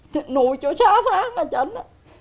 thì nuôi cho sáu tháng là chẳng